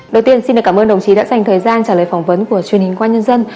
đầu tiên xin cảm ơn đồng chí đã dành thời gian trả lời phỏng vấn của truyền hình công an nhân dân